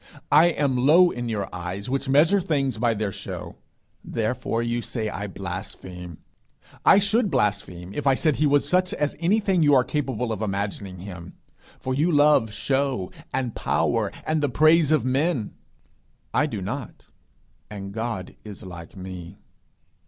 I am low in your eyes which measure things by their show; therefore you say I blaspheme. I should blaspheme if I said he was such as anything you are capable of imagining him, for you love show, and power, and the praise of men. I do not, and God is like me.